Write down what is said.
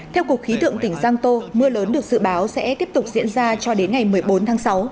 theo cục khí tượng tỉnh giang tô mưa lớn được dự báo sẽ tiếp tục diễn ra cho đến ngày một mươi bốn tháng sáu